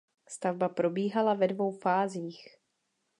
Stavba probíhala ve dvou fázích.